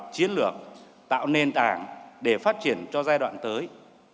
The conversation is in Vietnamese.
chiến lược tạo nền tảng để phát triển cho giai đoạn tới